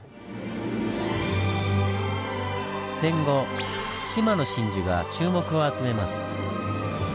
戦後志摩の真珠が注目を集めます。